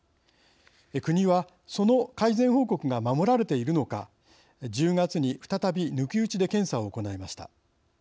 国は、その改善報告が守られているのか、１０月に再び抜き打ちで検査を行いました。